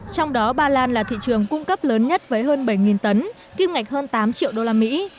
trong đó ba lan là thị trường cung cấp lớn nhất với hơn bảy tấn kim ngạch hơn tám triệu đô la mỹ